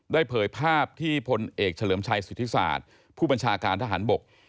เผยภาพที่พลเอกเฉลิมชัยสิทธิศาสตร์ผู้บัญชาการทหารบก